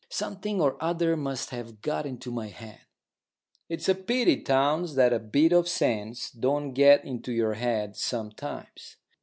Something or other must have got into my head." "It's a pity, Townes, that a bit of sense don't get into your head sometimes."